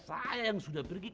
pulang melewati gembongan baik